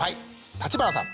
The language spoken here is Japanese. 立花さん。